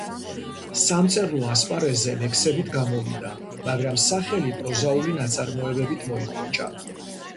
სამწერლო ასპარეზზე ლექსებით გამოვიდა, მაგრამ სახელი პროზაული ნაწარმოებებით მოიხვეჭა.